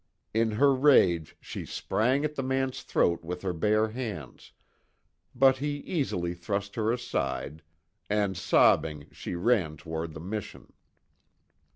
In her rage she sprang at the man's throat with her bare hands, but he easily thrust her aside, and sobbing she ran toward the mission.